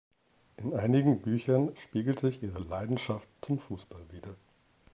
In einigen Büchern spiegelt sich ihre Leidenschaft zum Fußball wider.